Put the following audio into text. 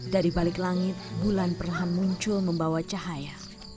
dari balik langit bulan perlahan muncul membawa cahaya